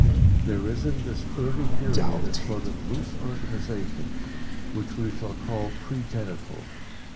There is in this early period a sort of loose organization, which we shall call pre genital.